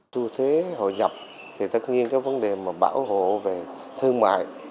thu thế hội nhập thì tất nhiên các vấn đề bảo hộ về thương mại